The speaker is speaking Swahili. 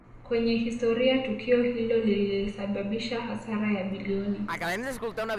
kwenye historia Tukio hilo lilisababisha hasara ya bilioni